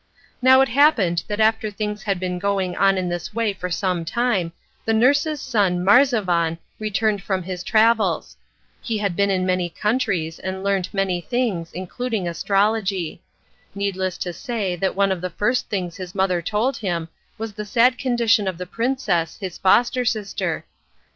Now it happened that after things had been going on in this way for some time the nurse's son Marzavan returned from his travels. He had been in many countries and learnt many things, including astrology. Needless to say that one of the first things his mother told him was the sad condition of the princess, his foster sister.